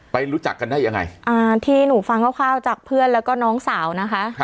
รู้จักกันได้ยังไงอ่าที่หนูฟังคร่าวจากเพื่อนแล้วก็น้องสาวนะคะ